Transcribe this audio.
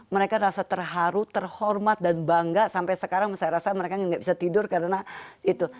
mereka rasa terharu terhormat dan bangga sampai sekarang saya rasa mereka nggak bisa tidur karena itu